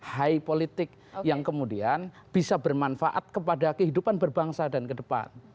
high politik yang kemudian bisa bermanfaat kepada kehidupan berbangsa dan ke depan